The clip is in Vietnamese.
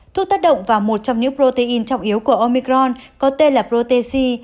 thuốc tác động vào một trong những protein trọng yếu của omicron có tên là prote